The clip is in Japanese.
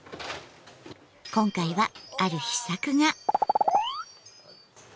今回はある秘策が。